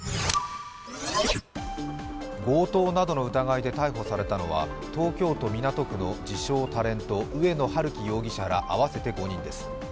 強盗などの疑いで逮捕されたのは、東京都港区の自称タレント上野晴生容疑者ら合わせて５人です